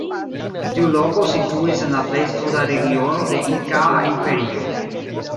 Tiu loko situis en la plej suda regiono de Inkaa imperio.